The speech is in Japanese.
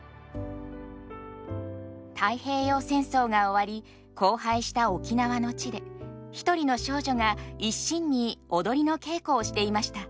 太平洋戦争が終わり荒廃した沖縄の地で一人の少女が一心に踊りの稽古をしていました。